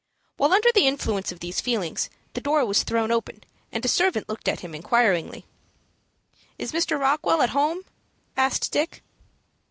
While under the influence of these feelings the door was thrown open, and a servant looked at him inquiringly. "Is Mr. Rockwell at home?" asked Dick.